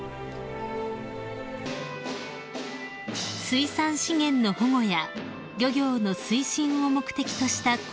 ［水産資源の保護や漁業の推進を目的としたこの大会］